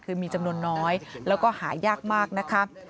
คือมีจำนวนน้อยแล้วก็หายากมากนะคะ